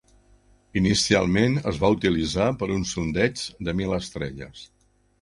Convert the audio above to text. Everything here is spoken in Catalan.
Inicialment es va utilitzar per a un sondeig de mil estrelles.